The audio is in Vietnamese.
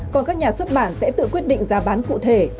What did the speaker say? còn các nhà xuất bản sẽ tự quyết định giá bán cụ thể